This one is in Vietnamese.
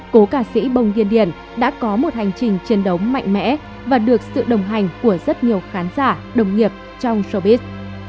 cố ca sĩ bông điên điển đã có một hành trình chiến đấu mạnh mẽ và được sự đồng hành của rất nhiều khán giả đồng nghiệp trong sobit